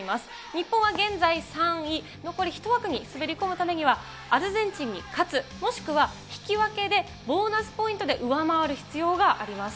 日本は現在３位、残り１枠に滑り込むためには、アルゼンチンに勝つ、もしくは引き分けでボーナスポイントで上回る必要があります。